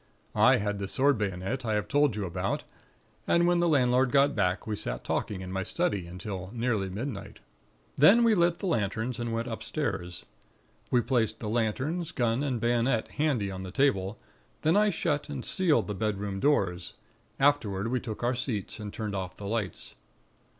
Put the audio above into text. I had the sword bayonet I have told you about; and when the landlord got back, we sat talking in my study until nearly midnight. "Then we lit the lanterns and went upstairs. We placed the lanterns, gun and bayonet handy on the table; then I shut and sealed the bedroom doors; afterward we took our seats, and turned off the lights.